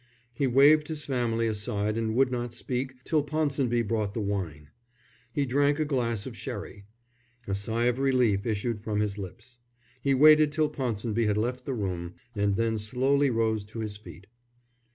He waved his family aside and would not speak till Ponsonby brought the wine. He drank a glass of sherry. A sigh of relief issued from his lips. He waited till Ponsonby had left the room, and then slowly rose to his feet.